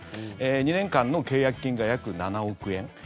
２年間の契約金が約７億円。